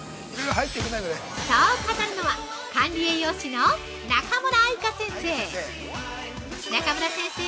そう語るのは、管理栄養士の中村愛香先生。